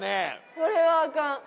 これはあかん。